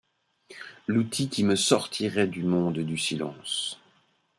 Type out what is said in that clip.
L’outil qui me sortirait du monde du silence.